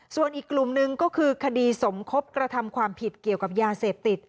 ส่วนอีกกลุ่มหนึ่งก็คือคดีสมคบกระทำความผิดเกี่ยวกับยาเสพติด